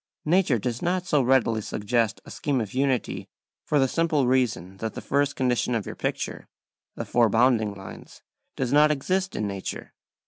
Nature does not so readily suggest a scheme of unity, for the simple reason that the first condition of your picture, the four bounding lines, does not exist in nature.